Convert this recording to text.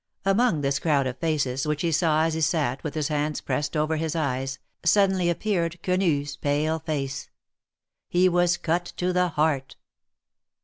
Among this crowd of faces, which he saw as he sat with his hands pressed over his eyes, suddenly aj^peared Quenu's pale face. He was cut to the heart.